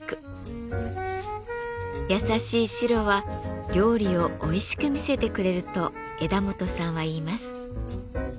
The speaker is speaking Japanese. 優しい白は料理をおいしく見せてくれると枝元さんは言います。